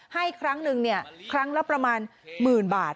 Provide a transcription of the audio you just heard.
ครั้งหนึ่งครั้งละประมาณหมื่นบาท